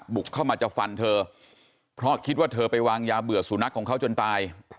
บุกเข้ามาจะฟันเธอเพราะคิดว่าเธอไปวางยาเบื่อสุนัขของเขาจนตาย